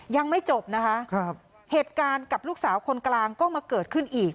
ยังไม่จบนะคะเหตุการณ์กับลูกสาวคนกลางก็มาเกิดขึ้นอีก